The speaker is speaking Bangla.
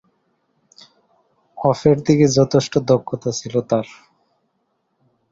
অফের দিকে যথেষ্ট দক্ষতা ছিল তার।